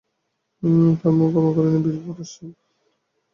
তার মাও ক্ষমা করেন নি বলে বিপ্রদাস মনের মধ্যে গৌরব বোধ করত।